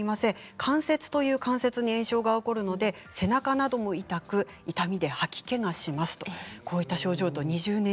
関節という関節に炎症が起こるので背中なども痛く痛みや吐き気がします。